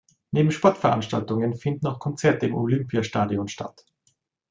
Neben Sportveranstaltungen finden auch Konzerte im Olympiastadion statt.